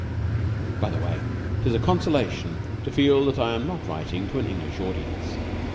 By the way, 'tis a consolation to feel that I am not writing to an English audience.